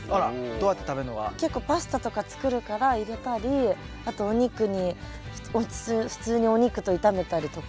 どうやって食べんのが？結構パスタとか作るから入れたりあとお肉に普通にお肉と炒めたりとか。